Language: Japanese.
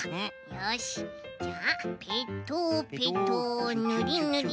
よしじゃあペトペトぬりぬり。